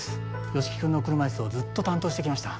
吉木君の車いすをずっと担当してきました